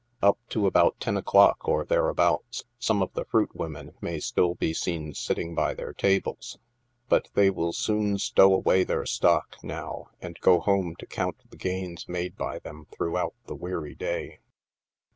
Up to about ten o'clock, or thereabouts, some of the fruitwomen may still be seen sitting by their tables, but they will soon stow away their stock, now, and go home to count the gains made by them throughout the weary day.